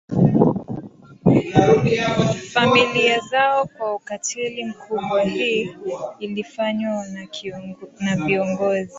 familia zao kwa ukatili mkubwa Hii ilifanywa na viongozi